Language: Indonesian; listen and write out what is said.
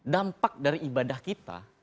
dampak dari ibadah kita